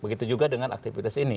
begitu juga dengan aktivitas ini